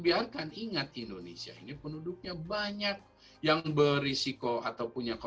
ini kalau dibiarkan ingat indonesia ini penduduknya banyak yang berisiko atau punya risiko